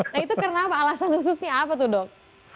nah itu karena apa alasan khususnya apa tuh dok